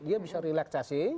dia bisa rileksasi